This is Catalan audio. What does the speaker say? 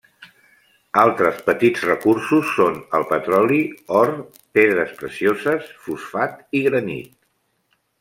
Altres petits recursos són el petroli, or, pedres precioses, fosfat i granit.